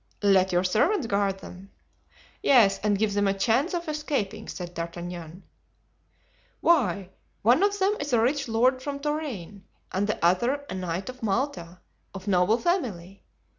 "Let your servants guard them." "Yes, and give them a chance of escaping," said D'Artagnan. "Why, one of them is a rich lord from Touraine and the other a knight of Malta, of noble family.